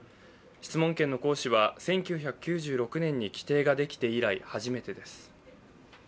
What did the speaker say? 質問権の行使は１９９６年に規定ができて以来、初めてです。